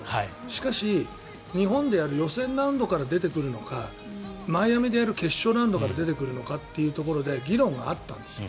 しかし、日本でやる予選ラウンドから出てくるのかマイアミでやる決勝ラウンドから出てくるのかというところで議論があったんです。